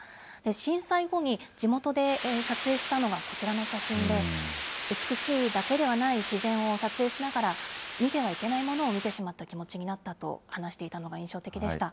震災後に地元で撮影したのがこちらの写真で、美しいだけではない自然を撮影しながら、見てはいけないものを見てしまった気持ちになったと話していたのが印象的でした。